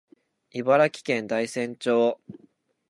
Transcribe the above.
茨城県大洗町